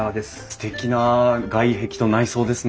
すてきな外壁と内装ですね。